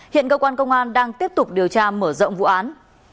hiện cơ quan công an đang tiếp tục điều tra mở rộng vụ án